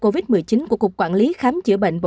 bắc cạn một bảy trăm linh hai